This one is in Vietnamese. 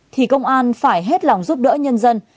thì công an phải hết lòng giúp đỡ nhân dân